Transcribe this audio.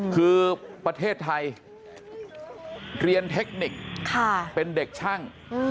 คือประเทศไทยเรียนเทคนิคเป็นเด็กช่าง